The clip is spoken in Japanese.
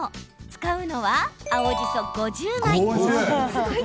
使うのは、青じそ５０枚。